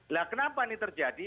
nah kenapa ini terjadi